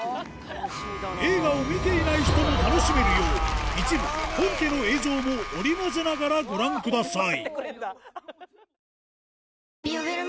映画を見ていない人も楽しめるよう一部本家の映像も織り交ぜながらご覧ください